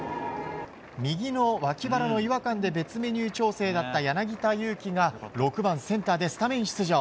右の脇腹の違和感で別メニュー調整だった柳田悠岐が６番センターでスタメン出場。